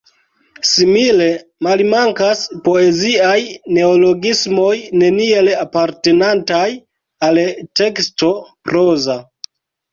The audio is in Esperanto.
Simile malmankas poeziaj neologismoj, neniel apartenantaj al teksto proza.